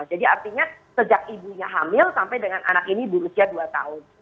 jadi artinya sejak ibunya hamil sampai dengan anak ini di usia dua tahun